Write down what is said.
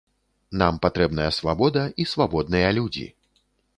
Нам патрэбная свабода і свабодныя людзі.